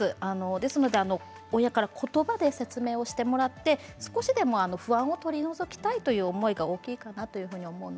ですから親から言葉で説明してもらって少しでも不安を取り除きたいという思いが大きいかなと思います。